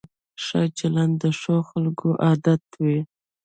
ښه چلند د ښو خلکو عادت وي.